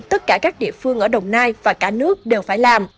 tất cả các địa phương ở đồng nai và cả nước đều phải làm